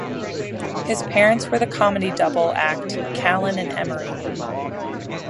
His parents were the comedy double act Callan and Emery.